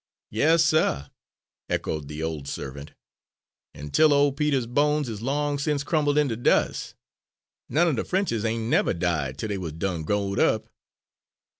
"Yas, suh," echoed the old servant, "an' till ole Peter's bones is long sence crumble' inter dus'. None er de Frenches' ain' never died till dey was done growed up."